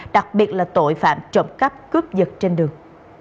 đặc biệt là tội phạm trộm cắp cướp dật trên đường